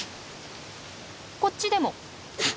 こっちでも。